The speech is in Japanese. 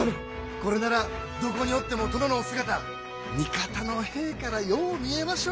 これならどこにおっても殿のお姿味方の兵からよう見えましょう。